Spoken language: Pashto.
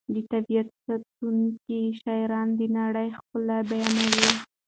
د طبیعت ستایونکي شاعران د نړۍ ښکلا بیانوي.